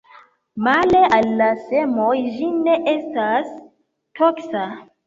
Male al la semoj ĝi ne etas toksa.